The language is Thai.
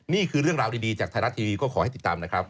นี่คือเรื่องราวดีจากไทยรัฐทีวีก็ขอให้ติดตามนะครับ